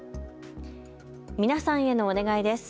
皆さんへのお願いです。